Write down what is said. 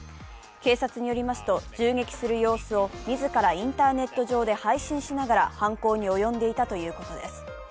警察によりますと、銃撃する様子を自らインターネット上で配信しながら犯行に及んでいたということです。